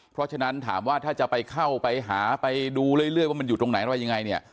เพราะฉะนั้นถามว่าถ้าจะไปเข้าไปหาไปดูเรื่อยว่ามันอยู่ตรงไหนอะไรยังไงเนี่ย